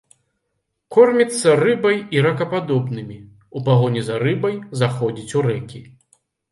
Корміцца рыбай і ракападобнымі, у пагоні за рыбай заходзіць у рэкі.